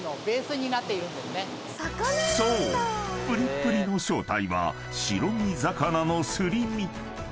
プリプリの正体は白身魚のすり身］